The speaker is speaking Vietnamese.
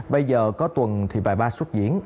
bây giờ có tuần thì bài ba xuất diễn